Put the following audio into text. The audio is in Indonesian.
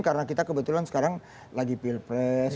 karena kita kebetulan sekarang lagi pilpres